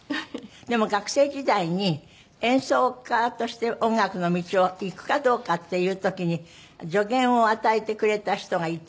でも学生時代に演奏家として音楽の道を行くかどうかっていう時に助言を与えてくれた人がいた？